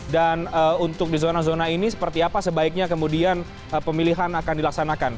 dan untuk di zona zona ini seperti apa sebaiknya kemudian pemilihan akan dilaksanakan